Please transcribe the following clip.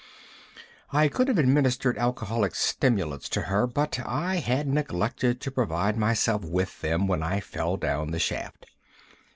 I could have administered alcoholic stimulants to her but I had neglected to provide myself with them when I fell down the shaft.